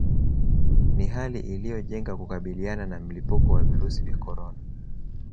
Ni hali iliolenga kukabiliana na mlipuko wa virusi vya corona